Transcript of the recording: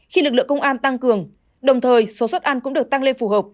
khi lực lượng công an tăng cường đồng thời số xuất ăn cũng được tăng lên phù hợp